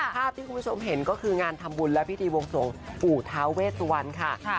ภาพที่คุณผู้ชมเห็นก็คืองานทำบุญและพิธีวงสวงปู่ท้าเวสวรรณค่ะ